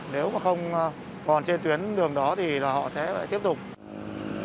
nếu mà không còn trên tuyến đường đó thì là họ sẽ lại tiếp tục